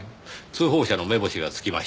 通報者の目星がつきました。